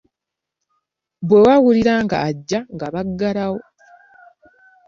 Bwe baawulira nga ajja nga bagalawo.